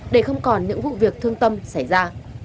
để không còn những vụ việc thương tâm xảy ra